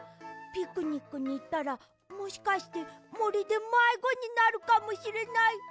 ピクニックにいったらもしかしてもりでまいごになるかもしれない。